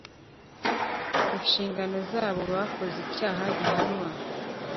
inshingano zabo bakoze icyaha gihanwa